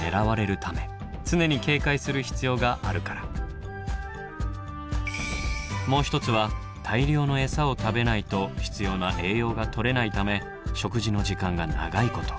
一つはもう一つは大量のエサを食べないと必要な栄養がとれないため食事の時間が長いこと。